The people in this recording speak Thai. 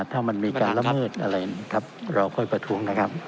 ถ้ามันมีการละเมิดอะไรนะครับเราค่อยประท้วงนะครับ